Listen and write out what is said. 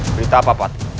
berita apa pak teng